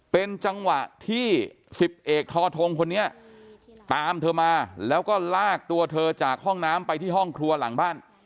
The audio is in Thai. เป็นจังหวะที่สิบเอกทอทงคนนี้ตามเธอมาแล้วก็ลากตัวเธอจากห้องน้ำไปที่ห้องครัวหลังบ้าน